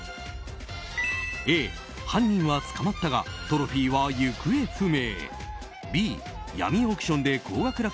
Ａ、犯人は捕まったがトロフィーは行方不明。